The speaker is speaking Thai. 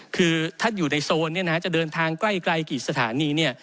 คือถ้าอยู่ในโซนจะเดินทางใกล้กี่สถานี